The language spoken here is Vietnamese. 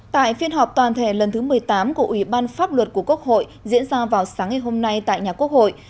tại phiên họp toàn thể lần thứ một mươi tám của ủy ban pháp luật của quốc hội diễn ra vào sáng ngày hôm nay tại nhà quốc hội